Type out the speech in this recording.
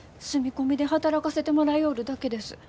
住み込みで働かせてもらようるだけです。